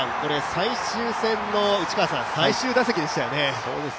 最終戦の最終打席でしたよね。